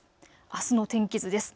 あすの天気図です。